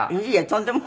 とんでも。